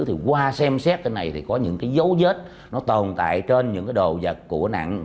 thì qua xem xét cái này thì có những cái dấu vết nó tồn tại trên những cái đồ vật của nạn